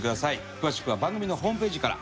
詳しくは番組のホームページから。